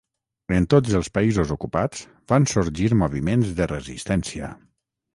En tots els països ocupats van sorgir moviments de resistència.